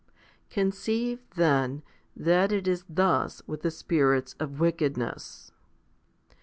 49. Conceive, then, that it is thus with the spirits of wickedness.